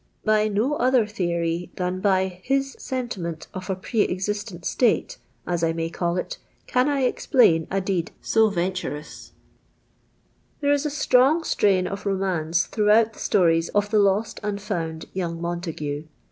By no othiM theory th;iii i»y his p.MJtinieiit of a pr> rxistent static (as I may call it) can 1 oxpjain a <le<'d SI \pnturous," Tlii're IS a stroi:Q: strain of r imanc^ throu2]i«M:t thf sto.' ie? of the lost and found young Mnntaeu.